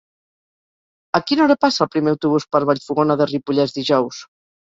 A quina hora passa el primer autobús per Vallfogona de Ripollès dijous?